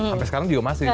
sampai sekarang juga masih